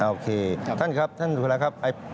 โอเคท่านครับท่านสุรครับ